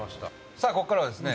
さあ、ここからはですね